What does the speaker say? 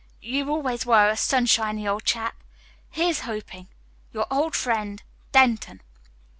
You always were a sunshiny old chap. Here's hoping. "Your old friend, "DENTON."